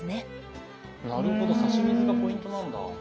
なるほど差し水がポイントなんだ。